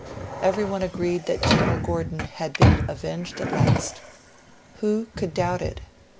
Every one agreed that General Gordon had been avenged at last. Who could doubt it?